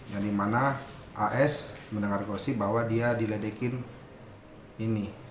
yang dimana as mendengar gosip bahwa dia diledekin ini